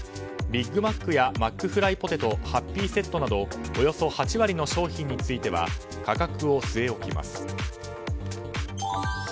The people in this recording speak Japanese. ビッグマックやマックフライポテトハッピーセットなどおよそ８割の商品については価格を据え置きます。